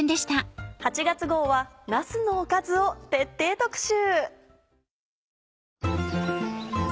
８月号はなすのおかずを徹底特集。